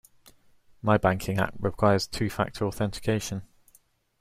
My banking app requires two factor authentication.